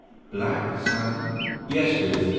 "Black sand?" "Yes, Biff.